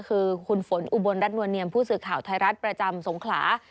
คือคุณฝนอุบลรัฐนวลเนียมผู้สื่อข่าวไทยรัฐประจำสงขลา